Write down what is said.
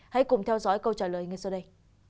hãy cùng theo dõi câu trả lời ngay sau đây